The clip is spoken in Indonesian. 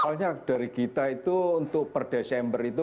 awalnya dari kita itu untuk per desember itu